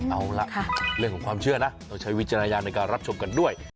เอาล่ะเรื่องของความเชื่อนะต้องใช้วิจารณญาณในการรับชมกันด้วย